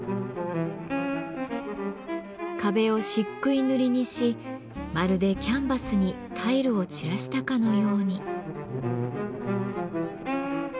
壁をしっくい塗りにしまるでキャンバスにタイルを散らしたかのように。